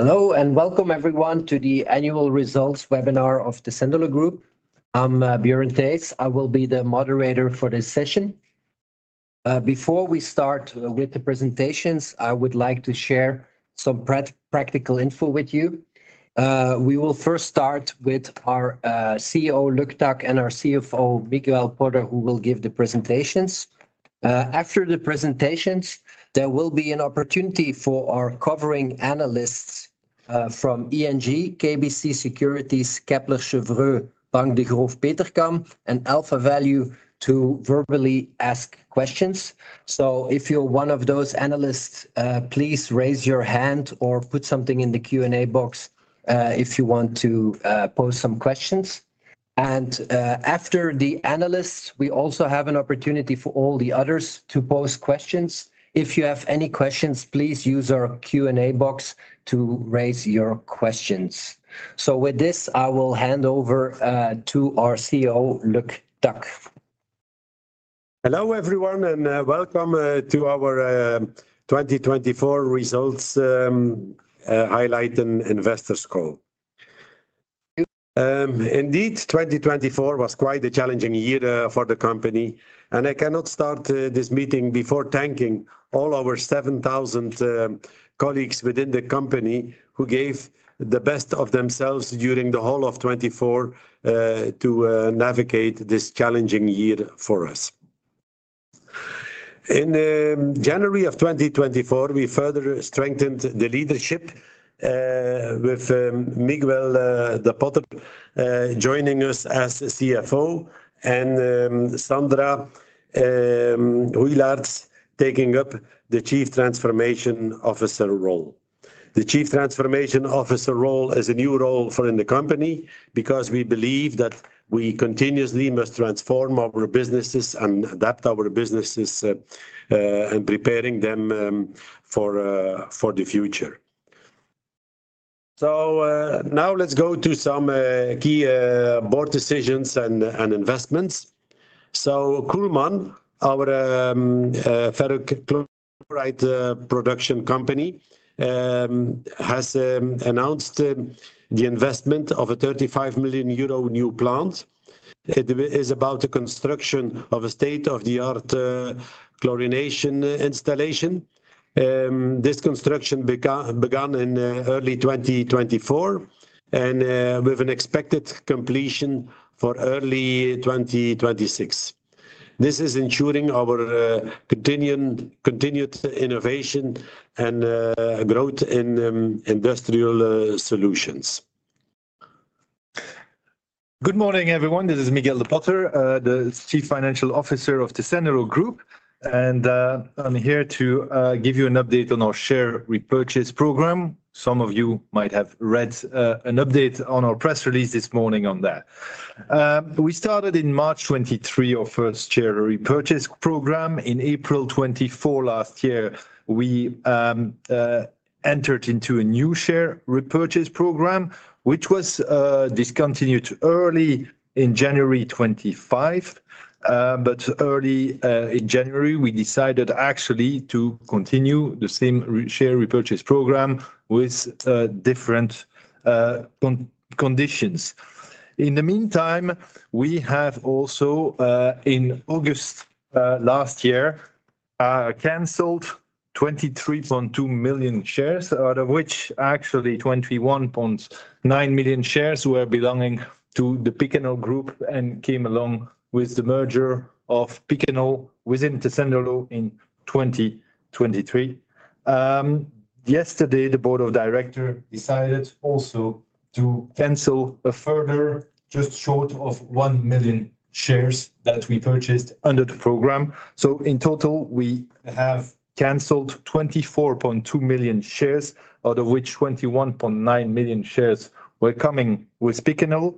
Hello and welcome, everyone, to the Annual Results Webinar of Tessenderlo Group. I'm Bjorn Theijs. I will be the moderator for this session. Before we start with the presentations, I would like to share some practical info with you. We will first start with our CEO, Luc Tack, and our CFO, Miguel de Potter, who will give the presentations. After the presentations, there will be an opportunity for our covering analysts from ENG, KBC Securities, Kepler Cheuvreux, Bank Degroof Petercam, and Alpha Value to verbally ask questions. If you're one of those analysts, please raise your hand or put something in the Q&A box if you want to pose some questions. After the analysts, we also have an opportunity for all the others to pose questions. If you have any questions, please use our Q&A box to raise your questions. With this, I will hand over to our CEO, Luc Tack. Hello, everyone, and welcome to our 2024 Results Highlight and Investors' Call. Indeed, 2024 was quite a challenging year for the company, and I cannot start this meeting before thanking all our 7,000 colleagues within the company who gave the best of themselves during the whole of 2024 to navigate this challenging year for us. In January of 2024, we further strengthened the leadership with Miguel de Potter joining us as CFO and Sandra Hoeylaerts taking up the Chief Transformation Officer role. The Chief Transformation Officer role is a new role for the company because we believe that we continuously must transform our businesses and adapt our businesses and prepare them for the future. Now let's go to some key board decisions and investments. Kuhlmann, our ferric chloride production company, has announced the investment of a 35 million euro new plant. It is about the construction of a state-of-the-art chlorination installation. This construction began in early 2024 and with an expected completion for early 2026. This is ensuring our continued innovation and growth in industrial solutions. Good morning, everyone. This is Miguel de Potter, the Chief Financial Officer of Tessenderlo Group, and I'm here to give you an update on our share repurchase program. Some of you might have read an update on our press release this morning on that. We started in March 2023 our first share repurchase program. In April 2024 last year, we entered into a new share repurchase program, which was discontinued early in January 2025. Early in January, we decided actually to continue the same share repurchase program with different conditions. In the meantime, we have also, in August last year, canceled 23.2 million shares, out of which actually 21.9 million shares were belonging to the Picanol Group and came along with the merger of Picanol within Tessenderlo in 2023. Yesterday, the Board of Directors decided also to cancel a further just short of 1 million shares that we purchased under the program. In total, we have canceled 24.2 million shares, out of which 21.9 million shares were coming with Picanol.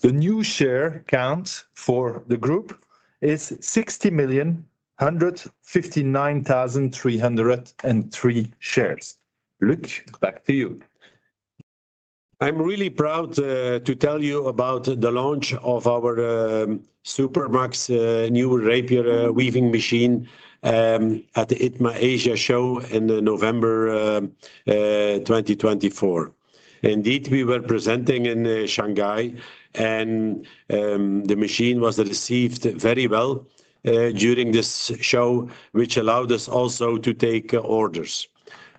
The new share count for the group is 60,159,303 shares. Luc, back to you. I'm really proud to tell you about the launch of our Supermax new rapier weaving machine at the ITMA Asia show in November 2024. Indeed, we were presenting in Shanghai, and the machine was received very well during this show, which allowed us also to take orders.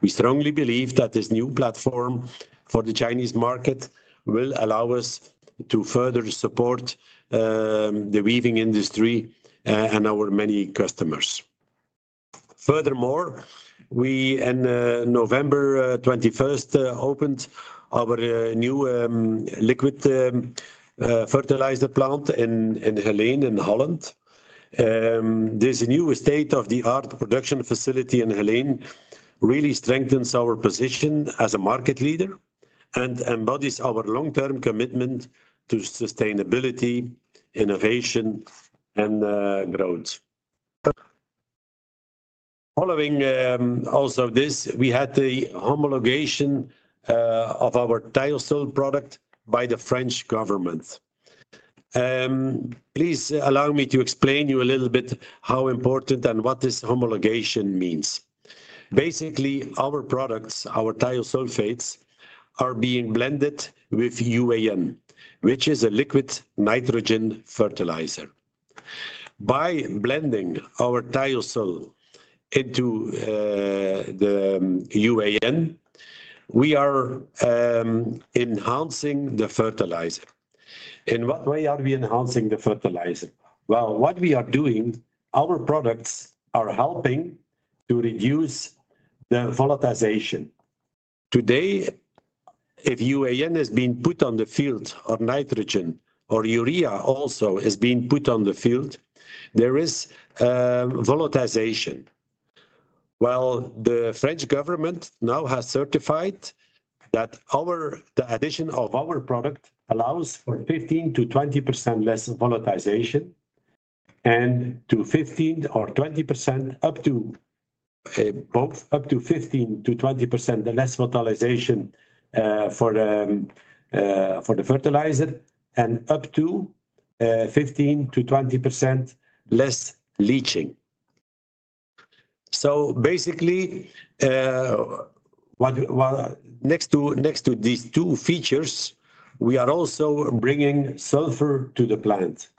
We strongly believe that this new platform for the Chinese market will allow us to further support the weaving industry and our many customers. Furthermore, we on November 21 opened our new liquid fertilizer plant in Geleen, in the Netherlands. This new state-of-the-art production facility in Geleen really strengthens our position as a market leader and embodies our long-term commitment to sustainability, innovation, and growth. Following also this, we had the homologation of our Thio-Sul product by the French government. Please allow me to explain to you a little bit how important and what this homologation means. Basically, our products, our thiosulphates, are being blended with UAN, which is a liquid nitrogen fertilizer. By blending our Thio-Sul into the UAN, we are enhancing the fertilizer. In what way are we enhancing the fertilizer? What we are doing, our products are helping to reduce the volatilization. Today, if UAN has been put on the field or nitrogen or urea also is being put on the field, there is volatilization. The French government now has certified that the addition of our product allows for 15%-20% less volatilization and up to 15%-20% less leaching. Basically, next to these two features, we are also bringing sulfur to the plant.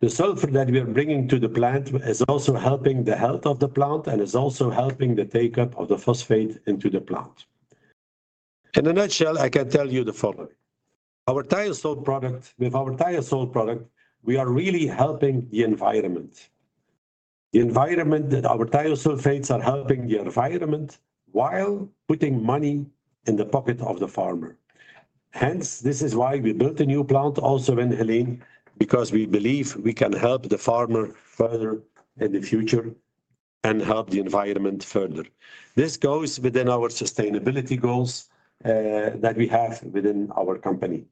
The sulfur that we are bringing to the plant is also helping the health of the plant and is also helping the take-up of the phosphate into the plant. In a nutshell, I can tell you the following. With our Thio-Sul product, we are really helping the environment. The environment that our Thiosulfates are helping the environment while putting money in the pocket of the farmer. Hence, this is why we built a new plant also in Geleen, because we believe we can help the farmer further in the future and help the environment further. This goes within our sustainability goals that we have within our company.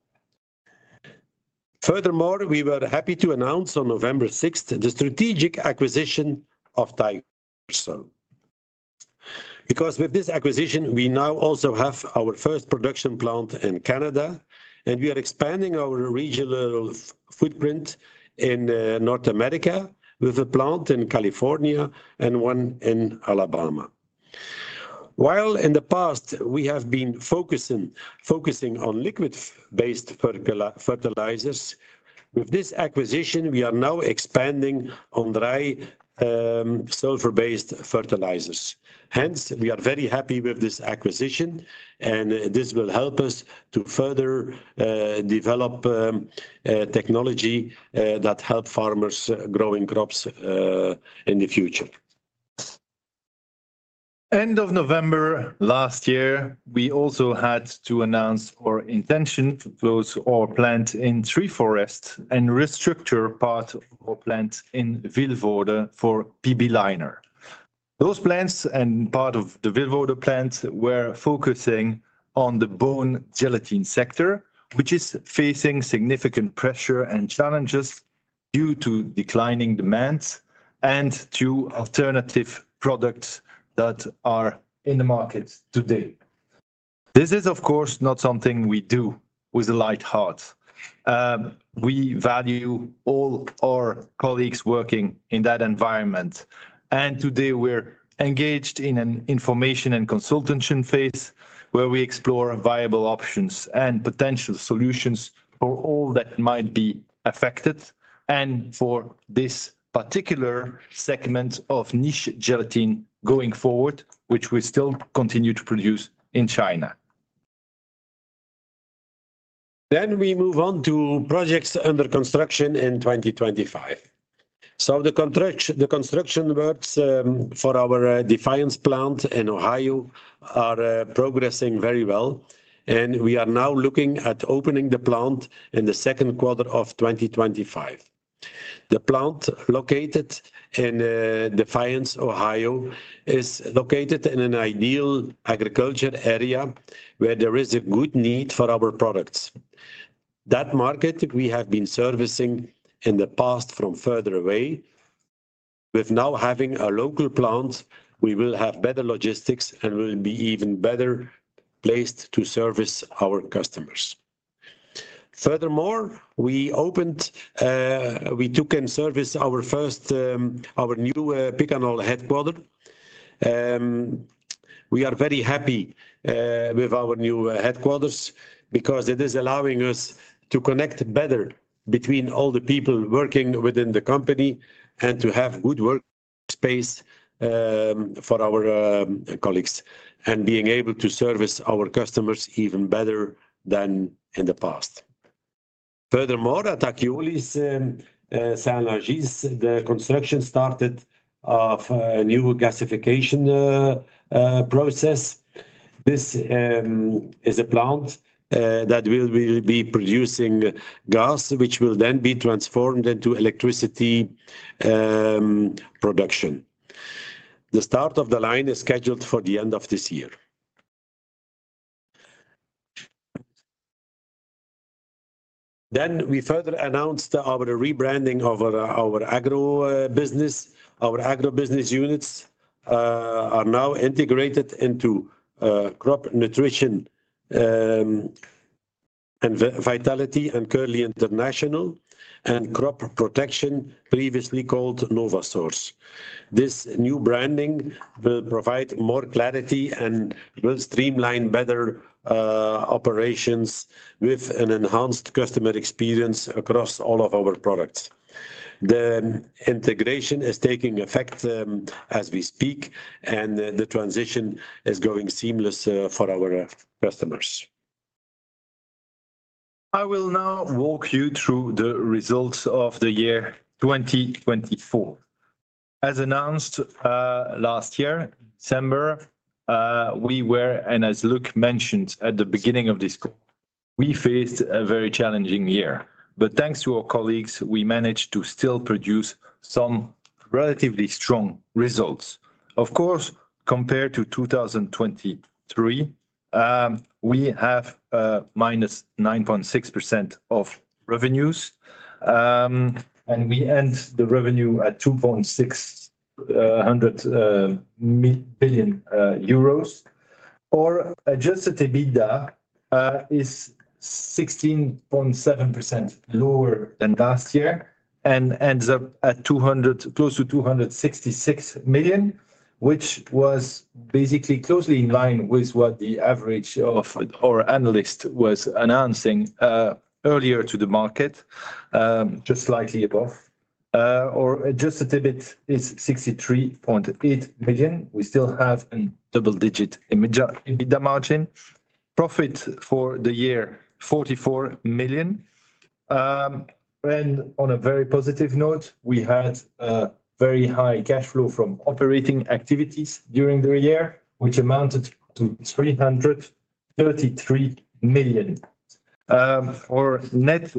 Furthermore, we were happy to announce on November 6th the strategic acquisition of Thio-Sul. Because with this acquisition, we now also have our first production plant in Canada, and we are expanding our regional footprint in North America with a plant in California and one in Alabama. While in the past, we have been focusing on liquid-based fertilizers, with this acquisition, we are now expanding on dry sulfur-based fertilizers. Hence, we are very happy with this acquisition, and this will help us to further develop technology that helps farmers growing crops in the future. End of November last year, we also had to announce our intention to close our plant in Treforest and restructure part of our plant in Vilvoorde for PB Leiner. Those plants and part of the Vilvoorde plant were focusing on the bone gelatin sector, which is facing significant pressure and challenges due to declining demands and to alternative products that are in the market today. This is, of course, not something we do with a light heart. We value all our colleagues working in that environment, and today we're engaged in an information and consultation phase where we explore viable options and potential solutions for all that might be affected and for this particular segment of niche gelatin going forward, which we still continue to produce in China. We move on to projects under construction in 2025. The construction works for our Defiance plant in Ohio are progressing very well, and we are now looking at opening the plant in the second quarter of 2025. The plant located in Defiance, Ohio, is located in an ideal agriculture area where there is a good need for our products. That market we have been servicing in the past from further away. With now having a local plant, we will have better logistics and will be even better placed to service our customers. Furthermore, we took in service our new Picanol headquarter. We are very happy with our new headquarters because it is allowing us to connect better between all the people working within the company and to have good workspace for our colleagues and being able to service our customers even better than in the past. Furthermore, at Akiolis, Saint-Léger, the construction started of a new gasification process. This is a plant that will be producing gas, which will then be transformed into electricity production. The start of the line is scheduled for the end of this year. We further announced our rebranding of our agro business. Our agro business units are now integrated into Crop Nutrition and Vitality and Kerley International and Crop Protection, previously called NovaSource. This new branding will provide more clarity and will streamline better operations with an enhanced customer experience across all of our products. The integration is taking effect as we speak, and the transition is going seamless for our customers. I will now walk you through the results of the year 2024. As announced last year, December, we were, and as Luc mentioned at the beginning of this call, we faced a very challenging year. Thanks to our colleagues, we managed to still produce some relatively strong results. Of course, compared to 2023, we have -9.6% of revenues, and we end the revenue at 2.600 billion euros, our adjusted EBITDA is 16.7% lower than last year and ends up at close to 266 million, which was basically closely in line with what the average of our analyst was announcing earlier to the market, just slightly above. Our adjusted EBIT is 63.8 million. We still have a double-digit EBITDA margin. Profit for the year, 44 million. On a very positive note, we had a very high cash flow from operating activities during the year, which amounted to 333 million. Our net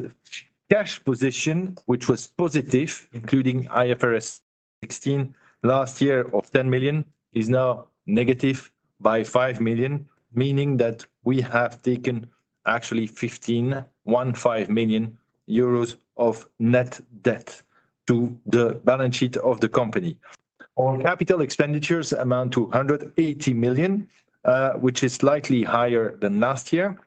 cash position, which was positive, including IFRS 16 last year of 10 million, is now negative by 5 million, meaning that we have taken actually 15.15 million euros of net debt to the balance sheet of the company. Our capital expenditures amount to 180 million, which is slightly higher than last year.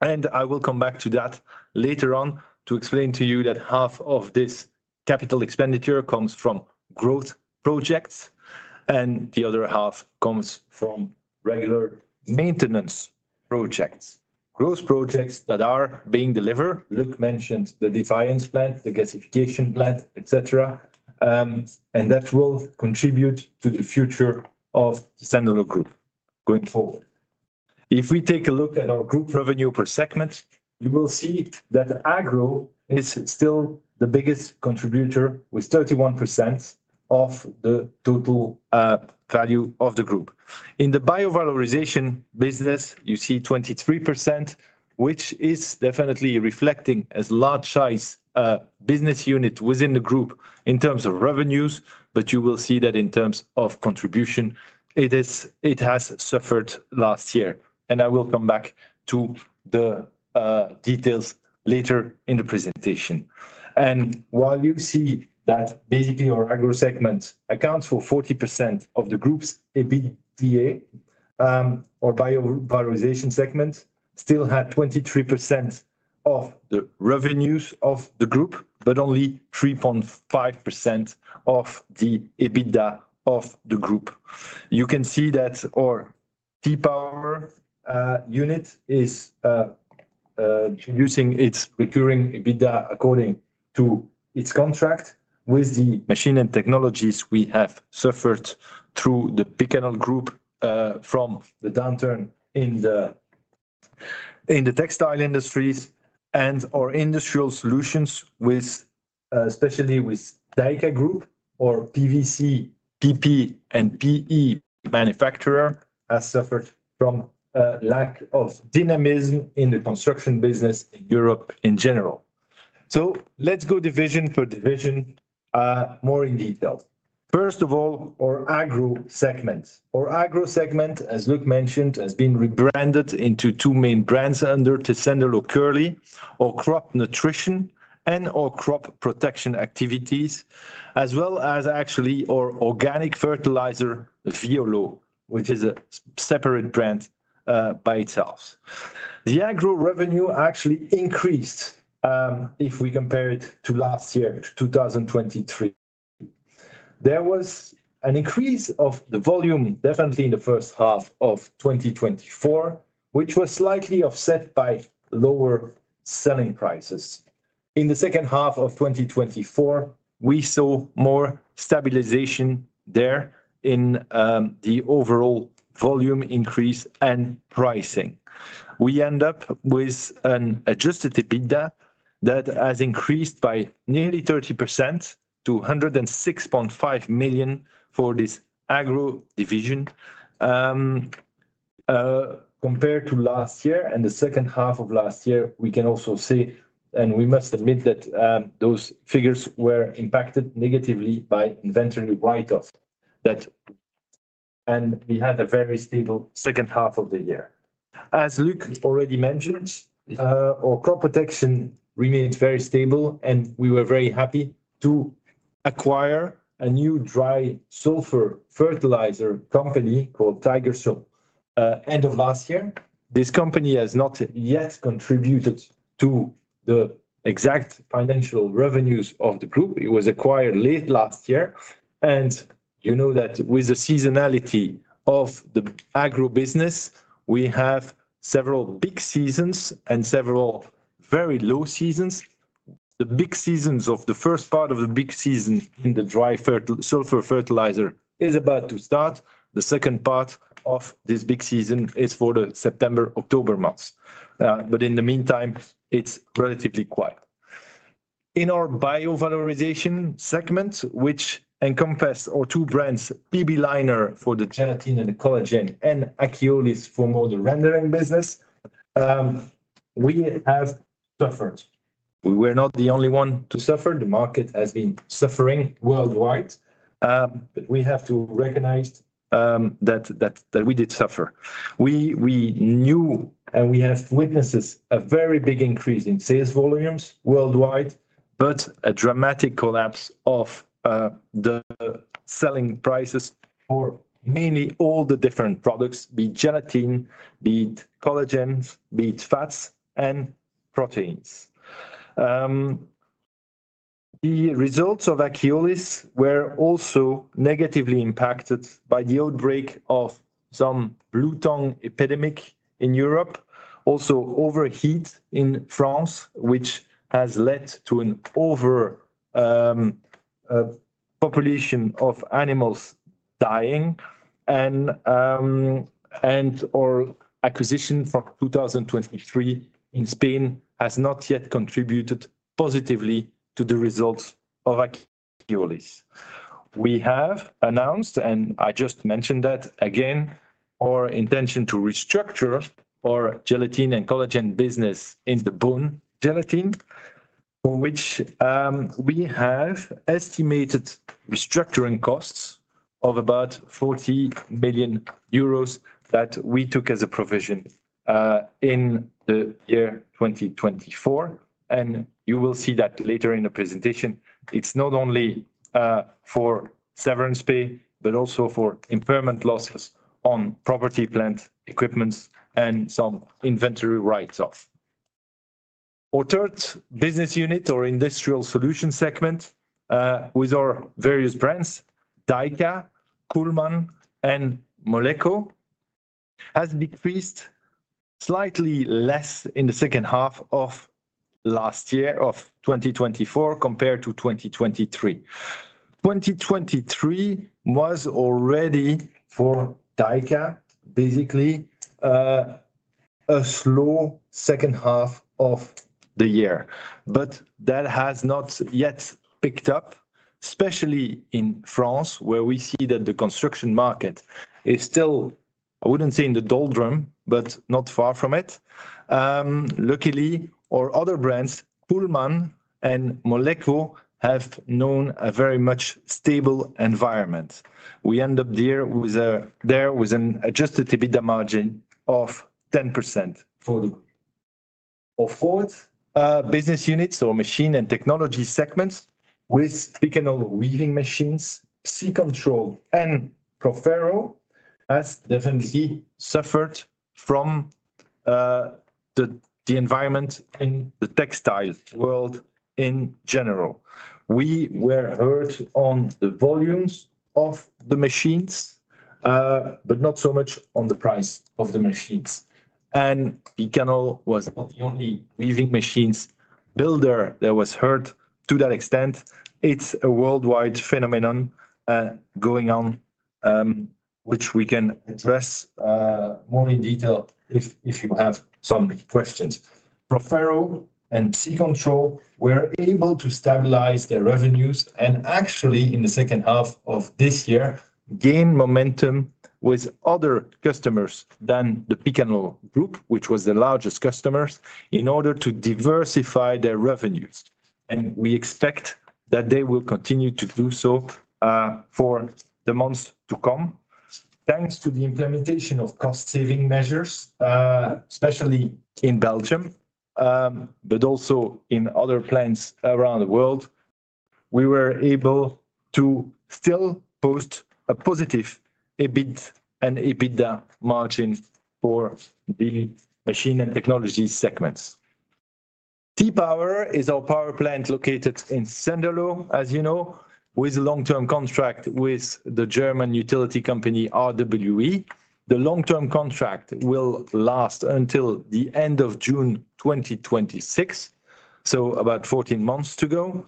I will come back to that later on to explain to you that half of this capital expenditure comes from growth projects and the other half comes from regular maintenance projects, growth projects that are being delivered. Luc mentioned the Defiance plant, the gasification plant, etc., and that will contribute to the future of Tessenderlo Group going forward. If we take a look at our group revenue per segment, you will see that agro is still the biggest contributor with 31% of the total value of the group. In the biovalorization business, you see 23%, which is definitely reflecting as large size business unit within the group in terms of revenues, but you will see that in terms of contribution, it has suffered last year. I will come back to the details later in the presentation. While you see that basically our agro segment accounts for 40% of the group's EBITDA, our biovalorization segment still had 23% of the revenues of the group, but only 3.5% of the EBITDA of the group. You can see that our T-Power unit is producing its recurring EBITDA according to its contract. With the machine and technologies, we have suffered through the Picanol Group from the downturn in the textile industries, and our industrial solutions, especially with DYKA Group, our PVC, PP, and PE manufacturer, has suffered from a lack of dynamism in the construction business in Europe in general. Let's go division for division more in detail. First of all, our agro segment. Our agro segment, as Luc mentioned, has been rebranded into two main brands under Tessenderlo Kerley, our crop nutrition and our crop protection activities, as well as actually our organic fertilizer Violleau, which is a separate brand by itself. The agro revenue actually increased if we compare it to last year, 2023. There was an increase of the volume definitely in the first half of 2024, which was slightly offset by lower selling prices. In the second half of 2024, we saw more stabilization there in the overall volume increase and pricing. We end up with an adjusted EBITDA that has increased by nearly 30% to 106.5 million for this agro division. Compared to last year and the second half of last year, we can also see, and we must admit that those figures were impacted negatively by inventory write-off. We had a very stable second half of the year. As Luc already mentioned, our crop protection remains very stable, and we were very happy to acquire a new dry sulfur fertilizer company called Tiger-Sul. End of last year, this company has not yet contributed to the exact financial revenues of the group. It was acquired late last year. You know that with the seasonality of the agro business, we have several big seasons and several very low seasons. The big seasons or the first part of the big season in the dry sulfur fertilizer is about to start. The second part of this big season is for the September, October months. In the meantime, it's relatively quiet. In our biovalorization segment, which encompasses our two brands, PB Leiner for the gelatin and the collagen and Akiolis for more the rendering business, we have suffered. We were not the only one to suffer. The market has been suffering worldwide. We have to recognize that we did suffer. We knew and we have witnessed a very big increase in sales volumes worldwide, but a dramatic collapse of the selling prices for mainly all the different products, be it gelatin, be it collagen, be it fats and proteins. The results of Akiolis were also negatively impacted by the outbreak of some blue-tongue epidemic in Europe, also overheat in France, which has led to an overpopulation of animals dying. Our acquisition from 2023 in Spain has not yet contributed positively to the results of Akiolis. We have announced, and I just mentioned that again, our intention to restructure our gelatin and collagen business in the bone gelatin, for which we have estimated restructuring costs of about 40 million euros that we took as a provision in the year 2024. You will see that later in the presentation, it is not only for severance pay, but also for impairment losses on property plant equipment and some inventory write-off. Our third business unit, our industrial solution segment with our various brands, DYKA, Kuhlmann, and Moleko, has decreased slightly less in the second half of last year, of 2024, compared to 2023. 2023 was already for DYKA, basically a slow second half of the year, but that has not yet picked up, especially in France, where we see that the construction market is still, I would not say in the doldrums, but not far from it. Luckily, our other brands, Kuhlmann and Moleko, have known a very much stable environment. We end up there with an adjusted EBITDA margin of 10% for the group. Our fourth business unit, so machine and technology segments, with Picanol weaving machines, Psicontrol, and Proferro, has definitely suffered from the environment in the textile world in general. We were hurt on the volumes of the machines, but not so much on the price of the machines. Picanol was the only weaving machines builder that was hurt to that extent. It's a worldwide phenomenon going on, which we can address more in detail if you have some questions. Proferro and Psicontrol were able to stabilize their revenues and actually, in the second half of this year, gain momentum with other customers than the Picanol Group, which was the largest customer, in order to diversify their revenues. We expect that they will continue to do so for the months to come. Thanks to the implementation of cost-saving measures, especially in Belgium, but also in other plants around the world, we were able to still post a positive EBIT and EBITDA margin for the machine and technology segments. T-Power is our power plant located in Tessenderlo, as you know, with a long-term contract with the German utility company RWE. The long-term contract will last until the end of June 2026, so about 14 months to go.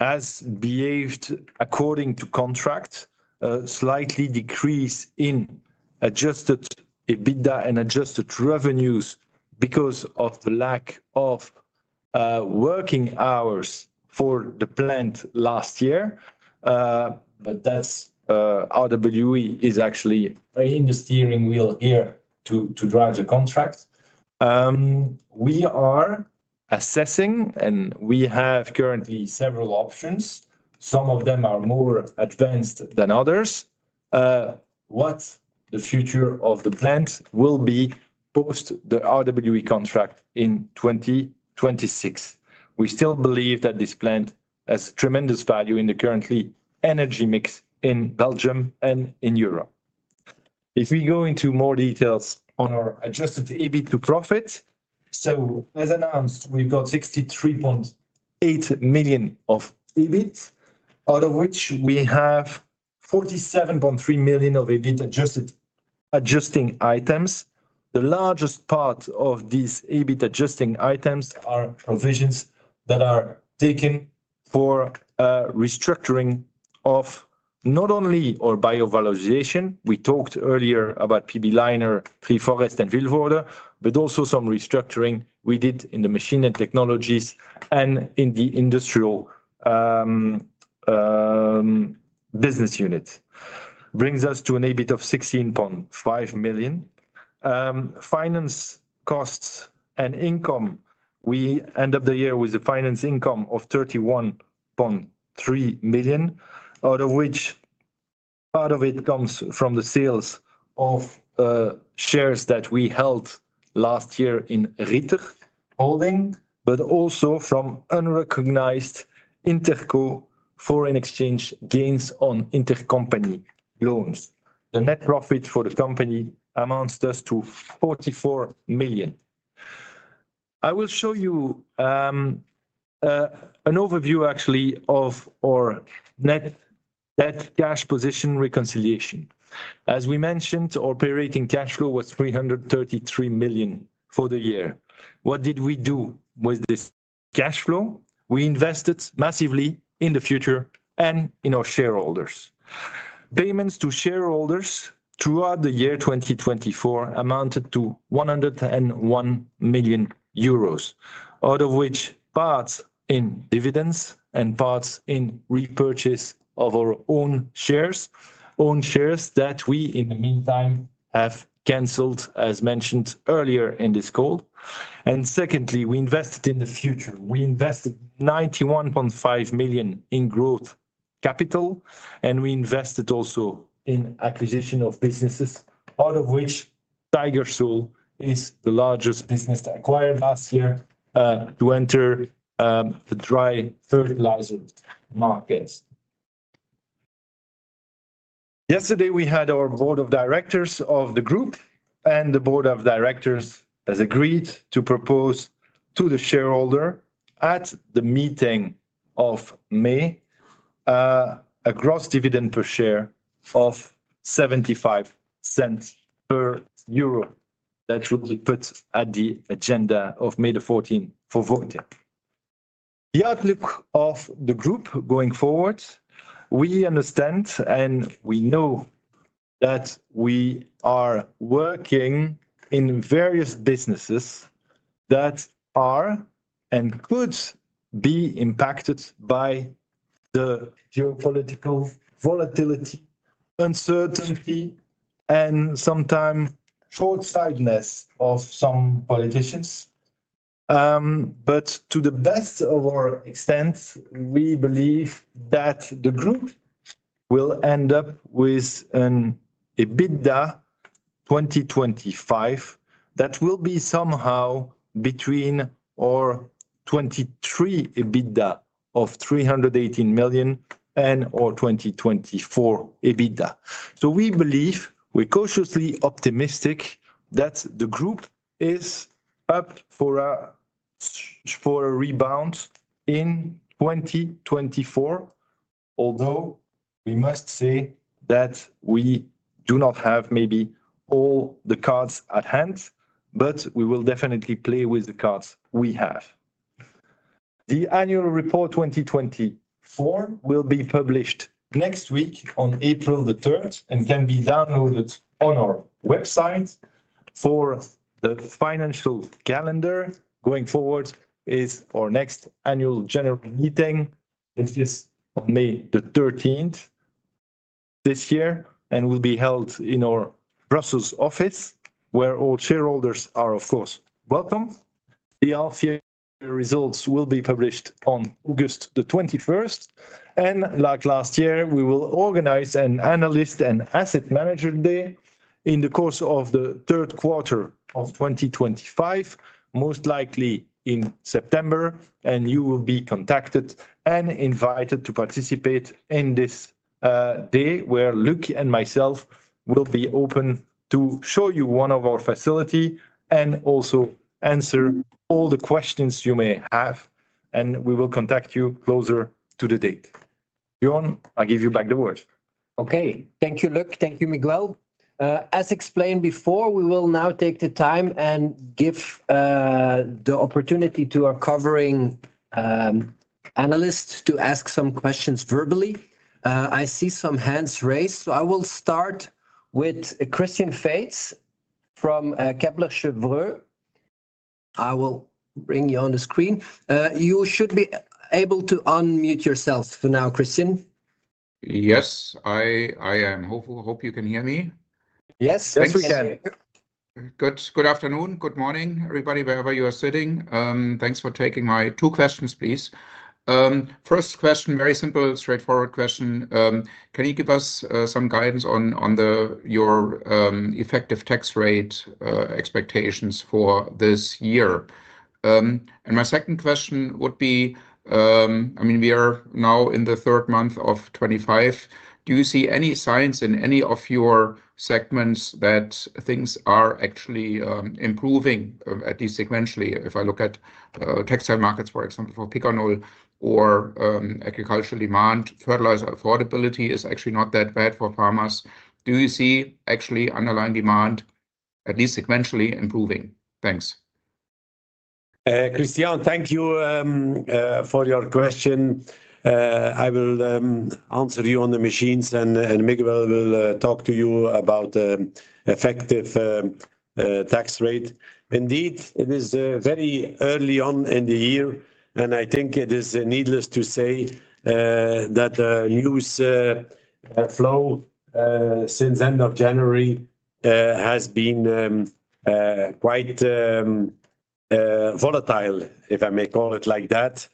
As behaved according to contract, a slight decrease in adjusted EBITDA and adjusted revenues because of the lack of working hours for the plant last year. RWE is actually playing the steering wheel here to drive the contract. We are assessing, and we have currently several options. Some of them are more advanced than others. What the future of the plant will be post the RWE contract in 2026. We still believe that this plant has tremendous value in the current energy mix in Belgium and in Europe. If we go into more details on our adjusted EBIT to profit, as announced, we've got 63.8 million of EBIT, out of which we have 47.3 million of EBIT adjusting items. The largest part of these EBIT adjusting items are provisions that are taken for restructuring of not only our biovalorization. We talked earlier about PB Leiner, Three Forests, and Vilvoorde, but also some restructuring we did in the machine and technologies and in the industrial business unit. Brings us to an EBIT of 16.5 million. Finance costs and income, we end the year with a finance income of 31.3 million, out of which part of it comes from the sales of shares that we held last year in Rieter Holding, but also from unrecognized Interco foreign exchange gains on intercompany loans. The net profit for the company amounts to 44 million. I will show you an overview actually of our net debt cash position reconciliation. As we mentioned, our operating cash flow was 333 million for the year. What did we do with this cash flow? We invested massively in the future and in our shareholders. Payments to shareholders throughout the year 2024 amounted to 101 million euros, out of which parts in dividends and parts in repurchase of our own shares, own shares that we in the meantime have canceled, as mentioned earlier in this call. Secondly, we invested in the future. We invested 91.5 million in growth capital, and we invested also in acquisition of businesses, out of which Tiger-Sul is the largest business that acquired last year to enter the dry fertilizer markets. Yesterday, we had our board of directors of the group, and the board of directors has agreed to propose to the shareholder at the meeting of May a gross dividend per share of 0.75 that will be put at the agenda of May the 14th for voting. The outlook of the group going forward, we understand and we know that we are working in various businesses that are and could be impacted by the geopolitical volatility, uncertainty, and sometimes shortsightedness of some politicians. To the best of our extent, we believe that the group will end up with an EBITDA 2025 that will be somehow between our 2023 EBITDA of 318 million and our 2024 EBITDA. We believe, we're cautiously optimistic that the group is up for a rebound in 2024, although we must say that we do not have maybe all the cards at hand, but we will definitely play with the cards we have. The annual report 2024 will be published next week on April the 3rd and can be downloaded on our website. For the financial calendar going forward is our next annual general meeting. This is on May the 13th this year and will be held in our Brussels office where all shareholders are, of course, welcome. The RFA results will be published on August the 21st. Like last year, we will organize an analyst and asset manager day in the course of the third quarter of 2025, most likely in September. You will be contacted and invited to participate in this day where Luc and myself will be open to show you one of our facilities and also answer all the questions you may have. We will contact you closer to the date. Bjorn, I give you back the word. Okay, thank you, Luc. Thank you, Miguel. As explained before, we will now take the time and give the opportunity to our covering analysts to ask some questions verbally. I see some hands raised. I will start with Christian Faitz from Kepler Cheuvreux. I will bring you on the screen. You should be able to unmute yourselves for now, Christian. Yes, I am. Hope you can hear me. Yes, yes, we can. Good afternoon. Good morning, everybody, wherever you are sitting. Thanks for taking my two questions, please. First question, very simple, straightforward question. Can you give us some guidance on your effective tax rate expectations for this year? My second question would be, I mean, we are now in the third month of 2025. Do you see any signs in any of your segments that things are actually improving at least sequentially? If I look at textile markets, for example, for Picanol or agricultural demand, fertilizer affordability is actually not that bad for farmers. Do you see actually underlying demand at least sequentially improving? Thanks. Christian, thank you for your question. I will answer you on the machines, and Miguel will talk to you about the effective tax rate. Indeed, it is very early on in the year, and I think it is needless to say that the news flow since the end of January has been quite volatile, if I may call it like that,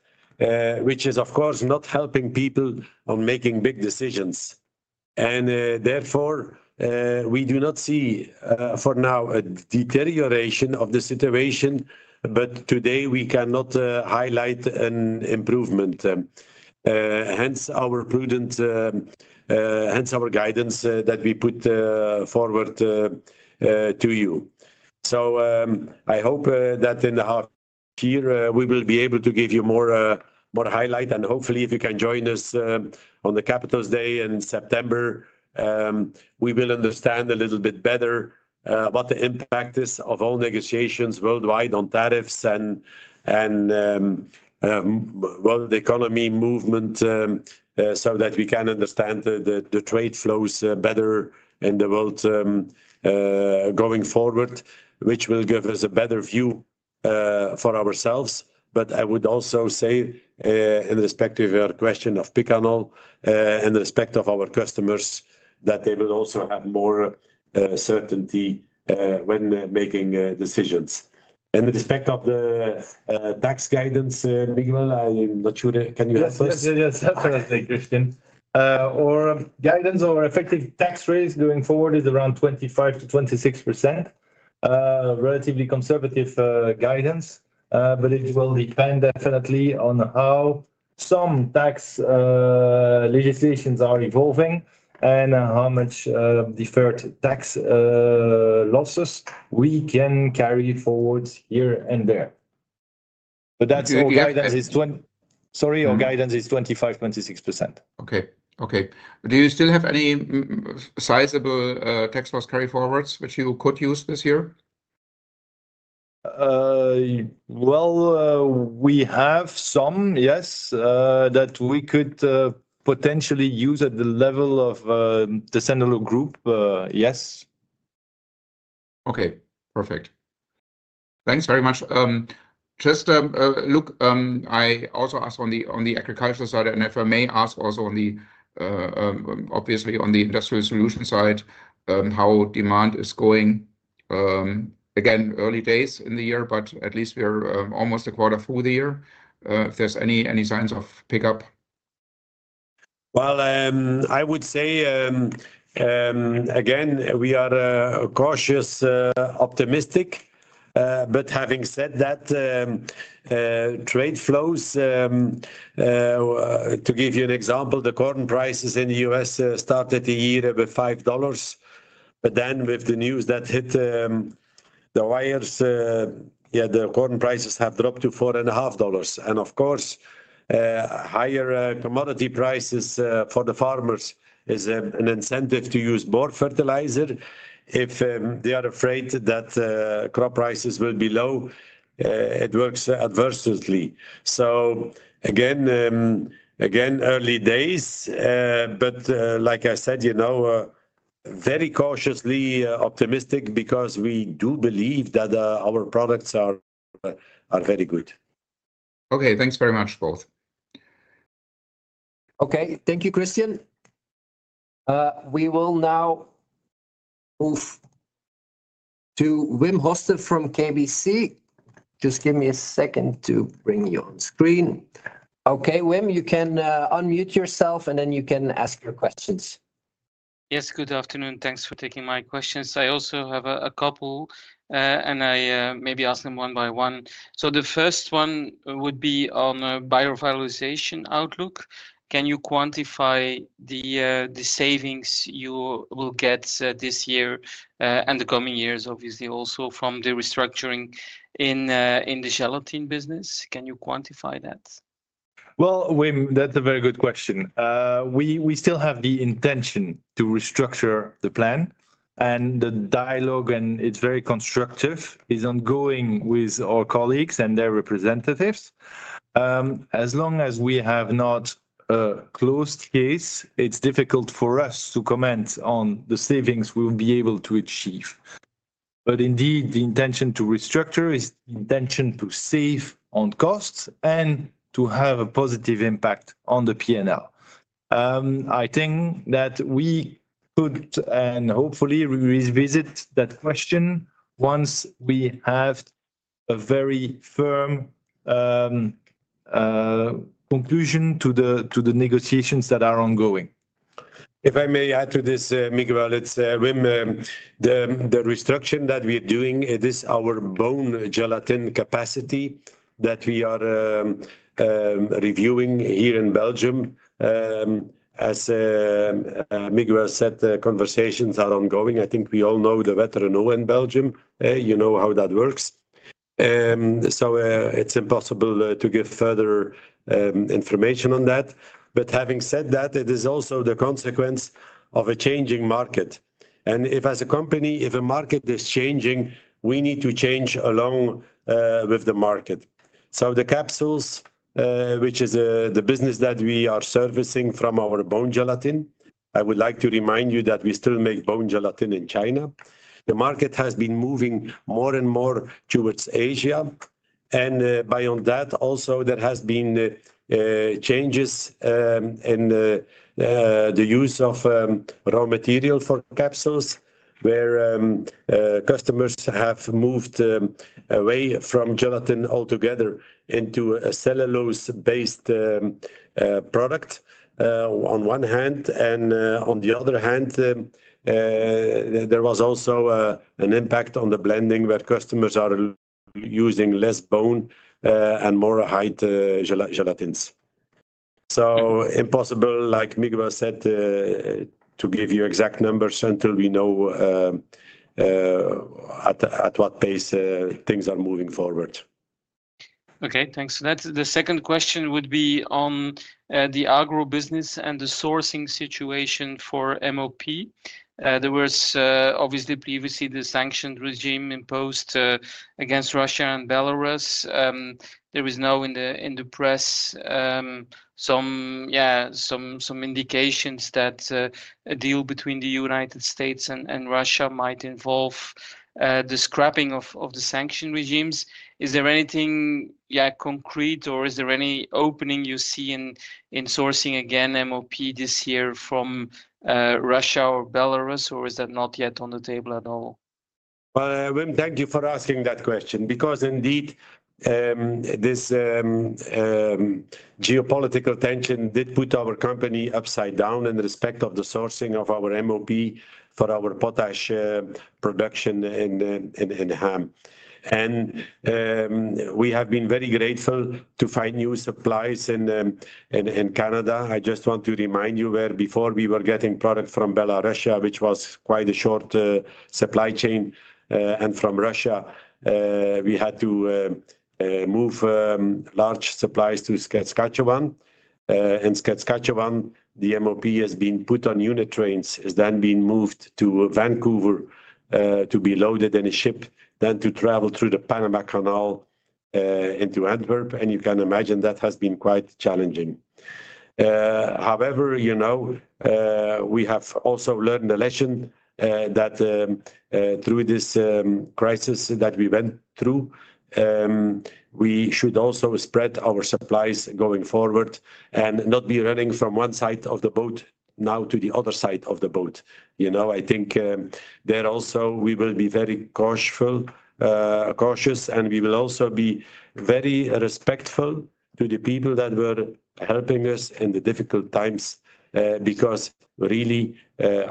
which is, of course, not helping people on making big decisions. Therefore, we do not see for now a deterioration of the situation, but today we cannot highlight an improvement. Hence our prudent, hence our guidance that we put forward to you. I hope that in the half year, we will be able to give you more highlight. Hopefully, if you can join us on the Capital's Day in September, we will understand a little bit better what the impact is of all negotiations worldwide on tariffs and world economy movement so that we can understand the trade flows better in the world going forward, which will give us a better view for ourselves. I would also say, in respect of your question of Picanol and the respect of our customers, that they will also have more certainty when making decisions. With respect of the tax guidance, Miguel, I'm not sure. Can you help us? Yes, yes, yes, absolutely, Christian. Our guidance or effective tax rates going forward is around 25%-26%, relatively conservative guidance, but it will depend definitely on how some tax legislations are evolving and how much deferred tax losses we can carry forward here and there. That's our guidance. Sorry, our guidance is 25%-26%. Okay, okay. Do you still have any sizable tax loss carry forwards which you could use this year? We have some, yes, that we could potentially use at the level of the Tessenderlo Group, yes. Okay, perfect. Thanks very much. Just, Luc, I also asked on the agriculture side, and if I may ask also on the, obviously, on the industrial solution side, how demand is going. Again, early days in the year, but at least we're almost a quarter through the year. If there's any signs of pickup? I would say, again, we are cautious, optimistic. Having said that, trade flows, to give you an example, the corn prices in the U.S. started the year with $5. With the news that hit the wires, the corn prices have dropped to $4.5. Of course, higher commodity prices for the farmers is an incentive to use more fertilizer. If they are afraid that crop prices will be low, it works adversely. Again, early days, but like I said, very cautiously optimistic because we do believe that our products are very good. Okay, thanks very much, both. Okay, thank you, Christian. We will now move to Wim Hoste from KBC. Just give me a second to bring you on screen. Okay, Wim, you can unmute yourself and then you can ask your questions. Yes, good afternoon. Thanks for taking my questions. I also have a couple, and I maybe ask them one by one. The first one would be on biovalorization outlook. Can you quantify the savings you will get this year and the coming years, obviously, also from the restructuring in the gelatin business? Can you quantify that? Wim, that's a very good question. We still have the intention to restructure the plan, and the dialogue, and it's very constructive, is ongoing with our colleagues and their representatives. As long as we have not closed case, it's difficult for us to comment on the savings we'll be able to achieve. Indeed, the intention to restructure is the intention to save on costs and to have a positive impact on the P&L. I think that we could, and hopefully, revisit that question once we have a very firm conclusion to the negotiations that are ongoing. If I may add to this, Miguel, it's Wim, the restructuring that we are doing, it is our bone gelatin capacity that we are reviewing here in Belgium. As Miguel said, conversations are ongoing. I think we all know the veteran in Belgium. You know how that works. It is impossible to give further information on that. Having said that, it is also the consequence of a changing market. If as a company, if a market is changing, we need to change along with the market. The capsules, which is the business that we are servicing from our bone gelatin, I would like to remind you that we still make bone gelatin in China. The market has been moving more and more towards Asia. Beyond that, also, there have been changes in the use of raw material for capsules, where customers have moved away from gelatin altogether into a cellulose-based product on one hand. On the other hand, there was also an impact on the blending where customers are using less bone and more high-gelatins. Impossible, like Miguel said, to give you exact numbers until we know at what pace things are moving forward. Okay, thanks. The second question would be on the agro business and the sourcing situation for MOP. There was, obviously, previously the sanctioned regime imposed against Russia and Belarus. There is now in the press some, yeah, some indications that a deal between the United States and Russia might involve the scrapping of the sanctioned regimes. Is there anything, yeah, concrete, or is there any opening you see in sourcing again MOP this year from Russia or Belarus, or is that not yet on the table at all? Thank you for asking that question because indeed, this geopolitical tension did put our company upside down in respect of the sourcing of our MOP for our potash production in Ham. We have been very grateful to find new supplies in Canada. I just want to remind you where before we were getting product from Belarus, which was quite a short supply chain, and from Russia, we had to move large supplies to Saskatchewan. In Saskatchewan, the MOP has been put on unit trains, is then being moved to Vancouver to be loaded in a ship, then to travel through the Panama Canal into Antwerp. You can imagine that has been quite challenging. However, we have also learned the lesson that through this crisis that we went through, we should also spread our supplies going forward and not be running from one side of the boat now to the other side of the boat. I think there also we will be very cautious, and we will also be very respectful to the people that were helping us in the difficult times because really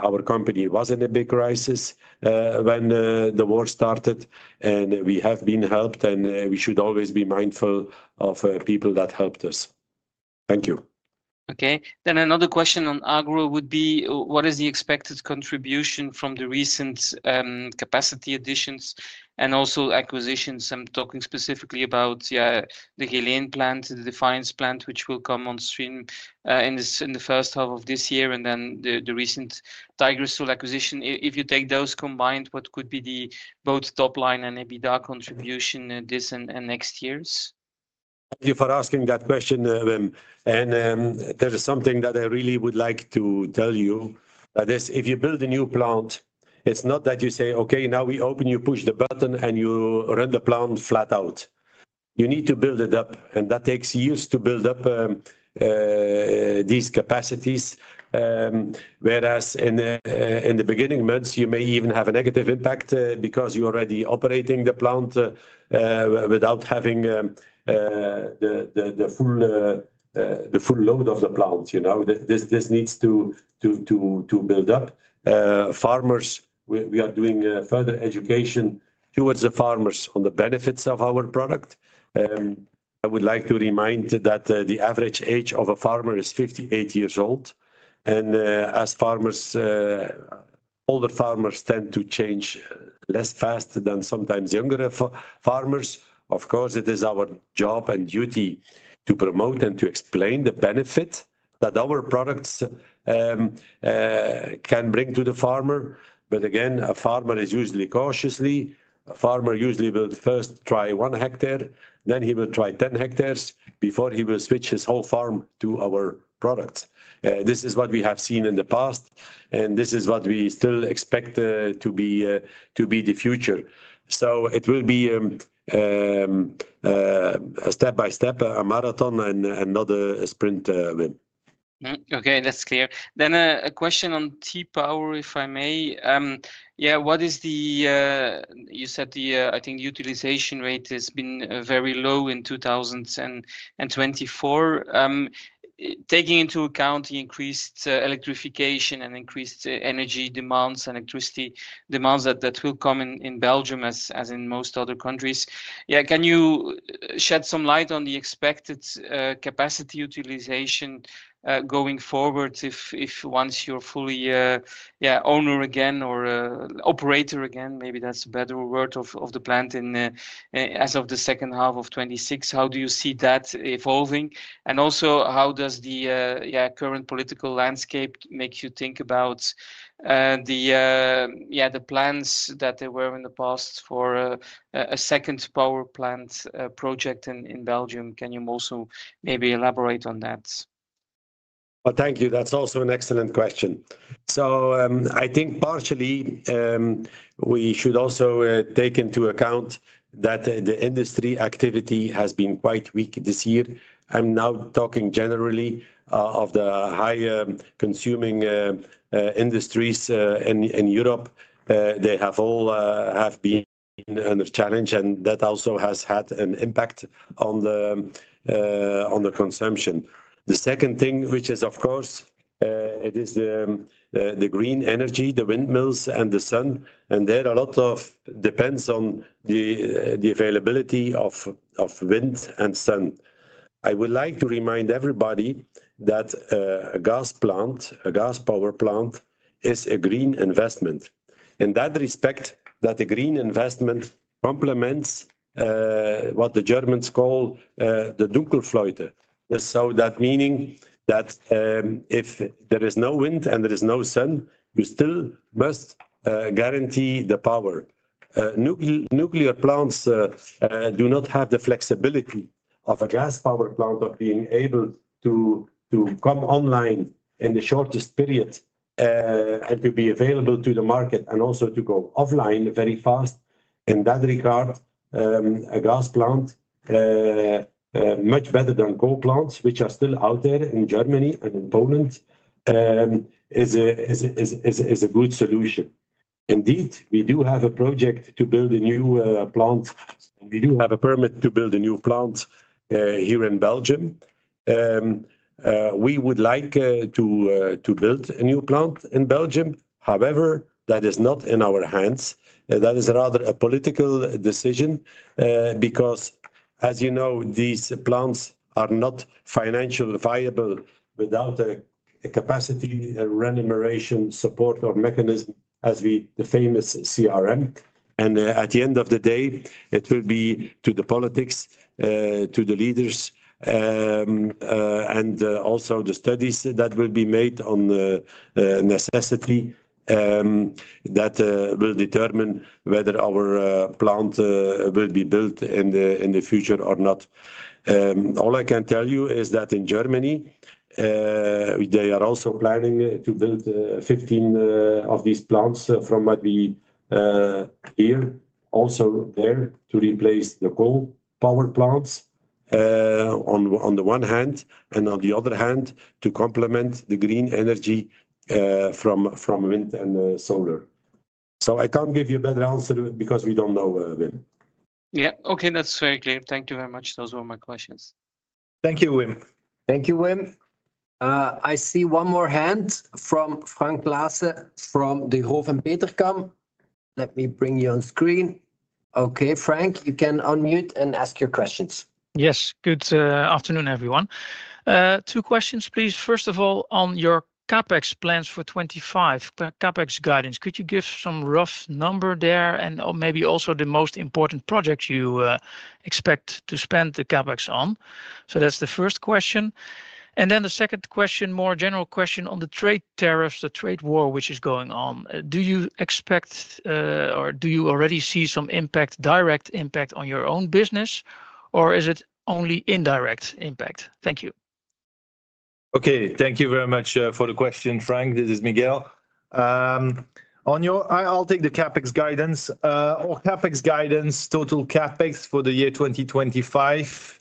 our company was in a big crisis when the war started, and we have been helped, and we should always be mindful of people that helped us. Thank you. Okay, another question on agro would be, what is the expected contribution from the recent capacity additions and also acquisitions? I'm talking specifically about the Geleen plant, the Defiance plant, which will come on stream in the first half of this year, and then the recent Tiger-Sul acquisition. If you take those combined, what could be the both top line and EBITDA contribution this and next years? Thank you for asking that question, Wim. There is something that I really would like to tell you. That is, if you build a new plant, it's not that you say, "Okay, now we open you, push the button, and you run the plant flat out." You need to build it up, and that takes years to build up these capacities, whereas in the beginning months, you may even have a negative impact because you're already operating the plant without having the full load of the plant. This needs to build up. Farmers, we are doing further education towards the farmers on the benefits of our product. I would like to remind that the average age of a farmer is 58 years old. As farmers, older farmers tend to change less fast than sometimes younger farmers. Of course, it is our job and duty to promote and to explain the benefit that our products can bring to the farmer. Again, a farmer is usually cautiously. A farmer usually will first try one hectare, then he will try 10 hectares before he will switch his whole farm to our products. This is what we have seen in the past, and this is what we still expect to be the future. It will be a step-by-step marathon and not a sprint, Wim. Okay, that's clear. A question on T-Power, if I may. Yeah, what is the, you said the, I think utilization rate has been very low in 2024. Taking into account the increased electrification and increased energy demands, electricity demands that will come in Belgium as in most other countries. Yeah, can you shed some light on the expected capacity utilization going forward if once you're fully, yeah, owner again or operator again, maybe that's a better word, of the plant as of the second half of 2026? How do you see that evolving? Also, how does the current political landscape make you think about the, yeah, the plans that there were in the past for a second power plant project in Belgium? Can you also maybe elaborate on that? Thank you. That's also an excellent question. I think partially we should also take into account that the industry activity has been quite weak this year. I'm now talking generally of the high consuming industries in Europe. They all have been under challenge, and that also has had an impact on the consumption. The second thing, which is, of course, it is the green energy, the windmills and the sun. There are a lot of depends on the availability of wind and sun. I would like to remind everybody that a gas plant, a gas power plant is a green investment. In that respect, that a green investment complements what the Germans call the Dunkelflaute. So that meaning that if there is no wind and there is no sun, you still must guarantee the power. Nuclear plants do not have the flexibility of a gas power plant of being able to come online in the shortest period and to be available to the market and also to go offline very fast. In that regard, a gas plant, much better than coal plants, which are still out there in Germany and in Poland, is a good solution. Indeed, we do have a project to build a new plant. We do have a permit to build a new plant here in Belgium. We would like to build a new plant in Belgium. However, that is not in our hands. That is rather a political decision because, as you know, these plants are not financially viable without a capacity remuneration support or mechanism as the famous CRM. At the end of the day, it will be to the politics, to the leaders, and also the studies that will be made on the necessity that will determine whether our plant will be built in the future or not. All I can tell you is that in Germany, they are also planning to build 15 of these plants from what we hear also there to replace the coal power plants on the one hand and on the other hand to complement the green energy from wind and solar. I can't give you a better answer because we don't know, Wim. Yeah, okay, that's very clear. Thank you very much. Those were my questions. Thank you, Wim. Thank you, Wim. I see one more hand from Frank Claassen from Degroof Petercam. Let me bring you on screen. Okay, Frank, you can unmute and ask your questions. Yes, good afternoon, everyone. Two questions, please. First of all, on your CapEx plans for 2025, CapEx guidance, could you give some rough number there and maybe also the most important project you expect to spend the CapEx on? That is the first question. The second question, more general question on the trade tariffs, the trade war which is going on. Do you expect or do you already see some impact, direct impact on your own business, or is it only indirect impact? Thank you. Okay, thank you very much for the question, Frank. This is Miguel. I'll take the CapEx guidance. Our CapEx guidance, total CapEx for the year 2025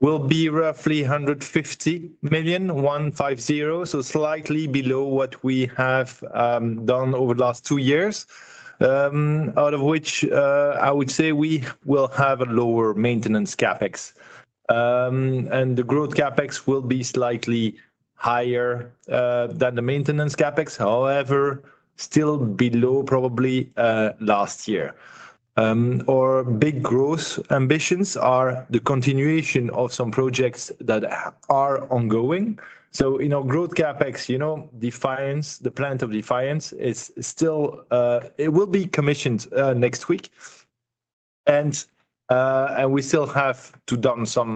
will be roughly 150 million, one five zero, so slightly below what we have done over the last two years, out of which I would say we will have a lower maintenance CapEx. The growth CapEx will be slightly higher than the maintenance CapEx, however, still below probably last year. Our big growth ambitions are the continuation of some projects that are ongoing. In our growth CapEx, Defiance, the plant of Defiance, it will be commissioned next week. We still have to do some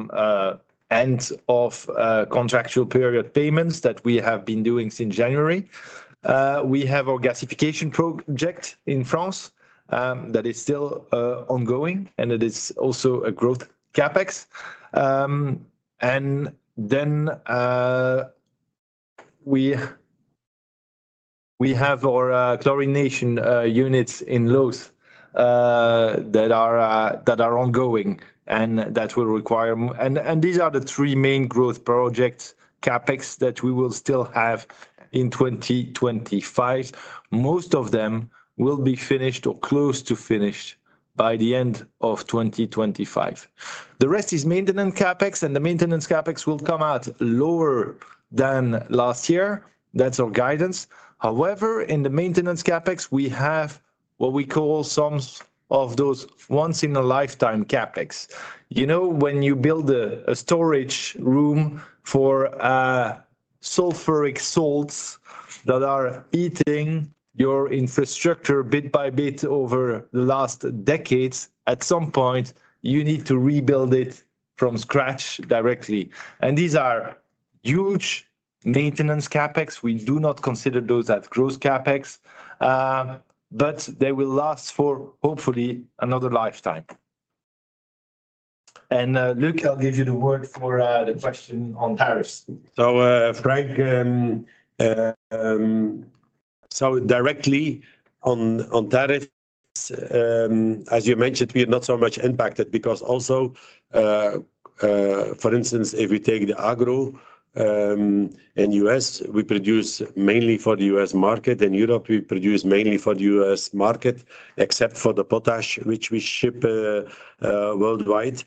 end of contractual period payments that we have been doing since January. We have our gasification project in France that is still ongoing, and it is also a growth CapEx. We have our chlorination units in Laos that are ongoing and that will require, and these are the three main growth projects CapEx that we will still have in 2025. Most of them will be finished or close to finished by the end of 2025. The rest is maintenance CapEx, and the maintenance CapEx will come out lower than last year. That's our guidance. However, in the maintenance CapEx, we have what we call some of those once-in-a-lifetime CapEx. You know, when you build a storage room for sulfuric salts that are eating your infrastructure bit by bit over the last decades, at some point, you need to rebuild it from scratch directly. These are huge maintenance CapEx. We do not consider those as growth CapEx, but they will last for hopefully another lifetime. Luc, I'll give you the word for the question on tariffs. Frank, directly on tariffs, as you mentioned, we are not so much impacted because also, for instance, if we take the agro in the US, we produce mainly for the US market. In Europe, we produce mainly for the US market, except for the potash, which we ship worldwide.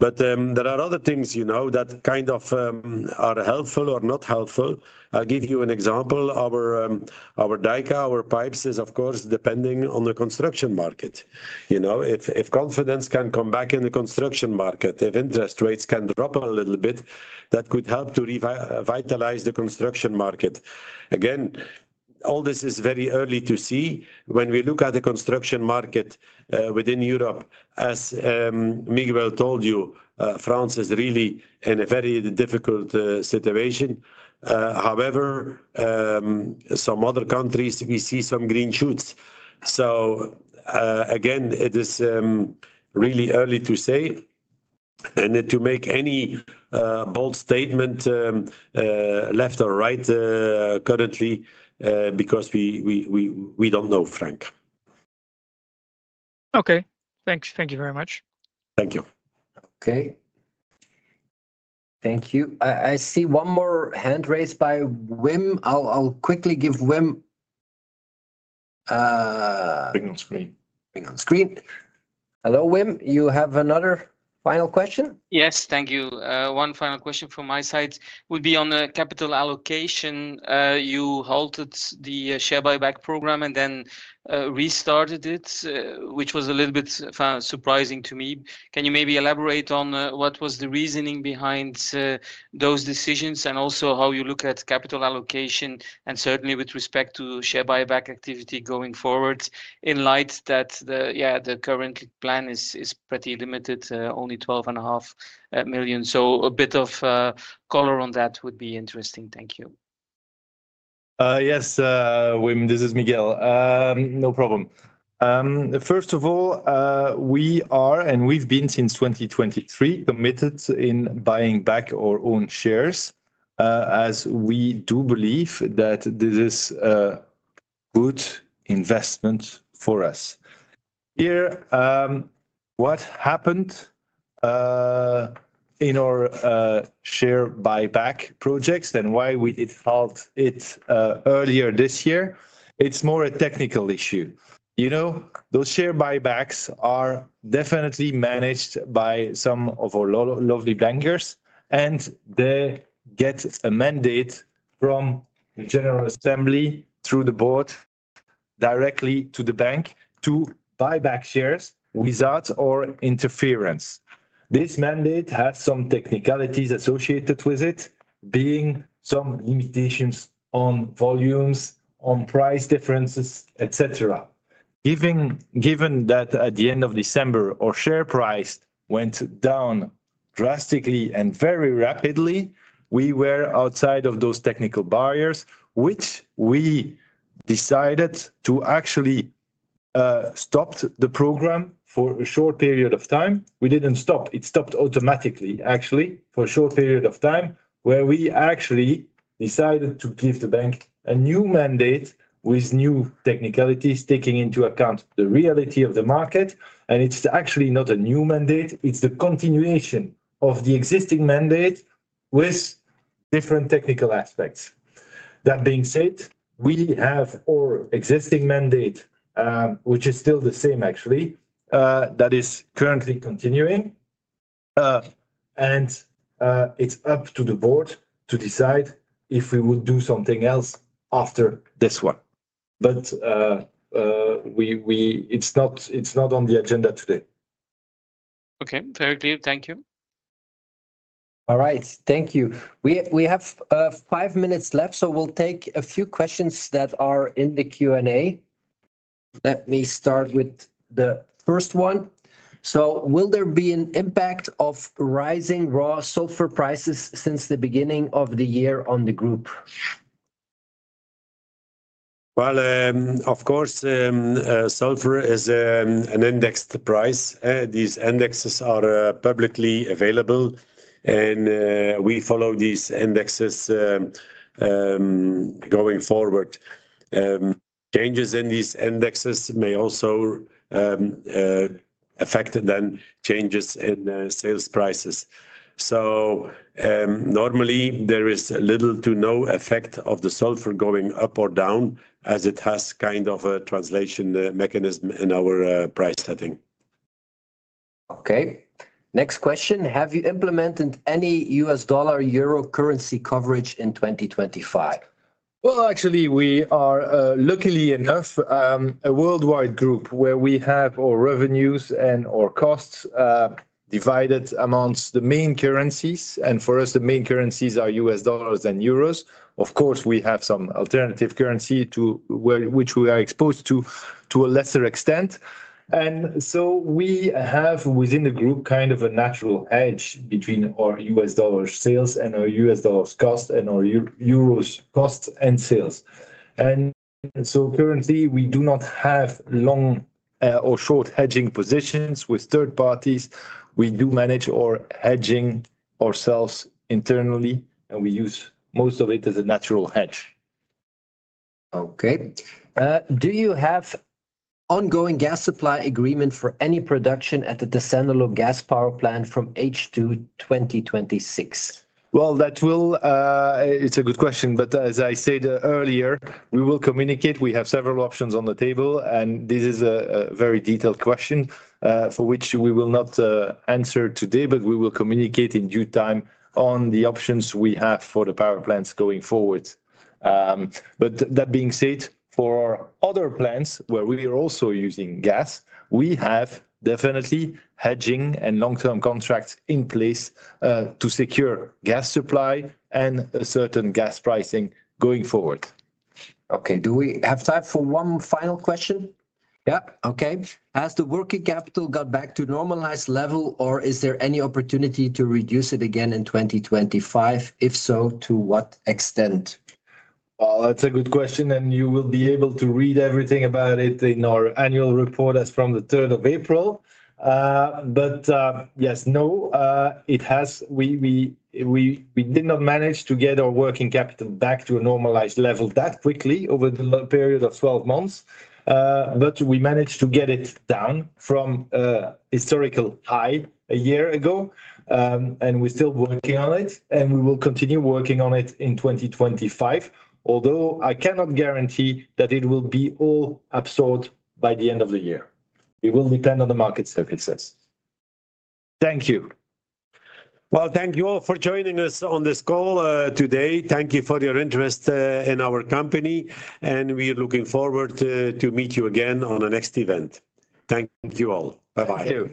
There are other things that kind of are helpful or not helpful. I'll give you an example. Our DYKA, our pipes, is, of course, depending on the construction market. If confidence can come back in the construction market, if interest rates can drop a little bit, that could help to revitalize the construction market. Again, all this is very early to see when we look at the construction market within Europe. As Miguel told you, France is really in a very difficult situation. However, some other countries, we see some green shoots. Again, it is really early to say. To make any bold statement left or right currently because we do not know, Frank. Okay, thanks. Thank you very much. Thank you. Okay. Thank you. I see one more hand raised by Wim. I'll quickly give Wim. Bring on screen. Bring on screen. Hello, Wim. You have another final question? Yes, thank you. One final question from my side would be on the capital allocation. You halted the share buyback program and then restarted it, which was a little bit surprising to me. Can you maybe elaborate on what was the reasoning behind those decisions and also how you look at capital allocation and certainly with respect to share buyback activity going forward in light that the current plan is pretty limited, only 12.5 million. A bit of color on that would be interesting. Thank you. Yes, Wim, this is Miguel. No problem. First of all, we are and we've been since 2023 committed in buying back our own shares as we do believe that this is a good investment for us. Here, what happened in our share buyback projects and why we didn't halt it earlier this year, it's more a technical issue. Those share buybacks are definitely managed by some of our lovely bankers, and they get a mandate from the General Assembly through the board directly to the bank to buy back shares without our interference. This mandate has some technicalities associated with it, being some limitations on volumes, on price differences, etc. Given that at the end of December, our share price went down drastically and very rapidly, we were outside of those technical barriers, which we decided to actually stop the program for a short period of time. We didn't stop. It stopped automatically, actually, for a short period of time where we actually decided to give the bank a new mandate with new technicalities taking into account the reality of the market. It's actually not a new mandate. It's the continuation of the existing mandate with different technical aspects. That being said, we have our existing mandate, which is still the same, actually, that is currently continuing. It's up to the board to decide if we would do something else after this one. It's not on the agenda today. Okay, very clear. Thank you. All right. Thank you. We have five minutes left, so we'll take a few questions that are in the Q&A. Let me start with the first one. Will there be an impact of rising raw sulfur prices since the beginning of the year on the group? Of course, sulfur is an indexed price. These indexes are publicly available, and we follow these indexes going forward. Changes in these indexes may also affect then changes in sales prices. Normally, there is little to no effect of the sulfur going up or down as it has kind of a translation mechanism in our price setting. Next question. Have you implemented any US dollar-euro currency coverage in 2025? Actually, we are luckily enough a worldwide group where we have our revenues and our costs divided amongst the main currencies. For us, the main currencies are US dollars and euros. Of course, we have some alternative currency to which we are exposed to to a lesser extent. We have within the group kind of a natural hedge between our US dollar sales and our US dollars cost and our euros cost and sales. Currently, we do not have long or short hedging positions with third parties. We do manage our hedging ourselves internally, and we use most of it as a natural hedge. Okay. Do you have ongoing gas supply agreement for any production at the Tessenderlo Gas Power Plant from H2 2026? That is a good question, but as I said earlier, we will communicate. We have several options on the table, and this is a very detailed question for which we will not answer today, but we will communicate in due time on the options we have for the power plants going forward. That being said, for other plants where we are also using gas, we have definitely hedging and long-term contracts in place to secure gas supply and a certain gas pricing going forward. Okay. Do we have time for one final question? Yeah. Okay. Has the working capital got back to normalized level, or is there any opportunity to reduce it again in 2025? If so, to what extent? That's a good question, and you will be able to read everything about it in our annual report as from the 3rd of April. Yes, no, it has. We did not manage to get our working capital back to a normalized level that quickly over the period of 12 months, but we managed to get it down from a historical high a year ago, and we're still working on it, and we will continue working on it in 2025, although I cannot guarantee that it will be all absorbed by the end of the year. It will depend on the market circumstances. Thank you. Thank you all for joining us on this call today. Thank you for your interest in our company, and we are looking forward to meet you again on the next event. Thank you all. Bye-bye.